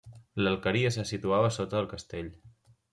L'alqueria se situava sota el castell.